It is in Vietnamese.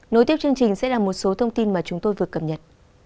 nối tiếp chương trình sẽ là một số thông tin mà chúng tôi vừa cập nhật